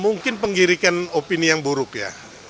mungkin penggirikan opini yang buruk ya